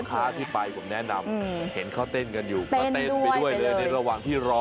ค้าที่ไปผมแนะนำเห็นเขาเต้นกันอยู่เขาเต้นไปด้วยเลยในระหว่างที่รอ